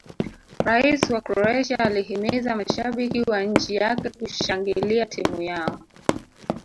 rais wa croatia alihimiza mashabiki wa nchi yake kushangilia timu yao